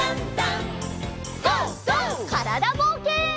からだぼうけん。